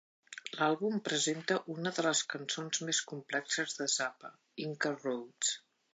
L'àlbum presenta una de les cançons més complexes de Zappa, "Inca Roads".